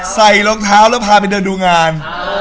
ใส่รองเท้าแล้วพาไปเดินดูงาน